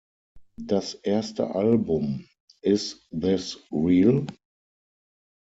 Das erste Album "Is This Real?